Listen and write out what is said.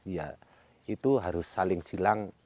ya itu harus saling silang